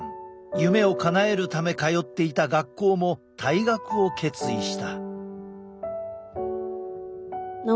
夢をかなえるため通っていた学校も退学を決意した。